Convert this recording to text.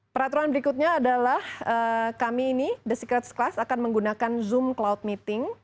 peraturan berikutnya adalah kami ini the secrets class akan menggunakan zoom cloud meeting